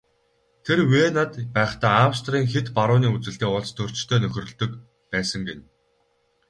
Тэр Венад байхдаа Австрийн хэт барууны үзэлтэй улстөрчтэй нөхөрлөдөг байсан гэнэ.